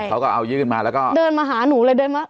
เขาก็เอายื่นมาแล้วก็เดินมาหาหนูเลยเดินมา